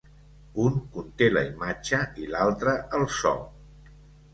Un conté la imatge i l'altre el so.